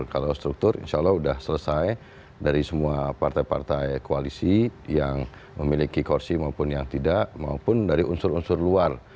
kalau struktur insya allah sudah selesai dari semua partai partai koalisi yang memiliki kursi maupun yang tidak maupun dari unsur unsur luar